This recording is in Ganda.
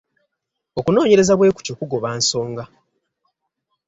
Okunoonyereza bwe kutyo kugoba nsonga.